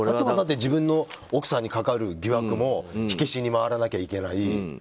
あとは自分の奥さんにかかる疑惑も火消しに回らないといけない。